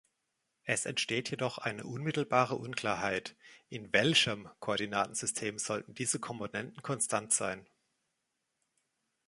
Es entsteht jedoch eine unmittelbare Unklarheit: In „welchem“ Koordinatensystem sollten diese Komponenten konstant sein?